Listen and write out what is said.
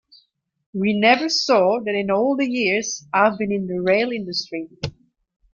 We never saw that in all the years I've been in the rail industry.